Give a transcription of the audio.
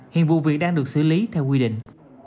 hiện vụ việc đang được xử lý theo quy định